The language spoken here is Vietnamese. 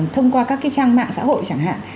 thông qua các cái trang mạng xã hội chẳng hạn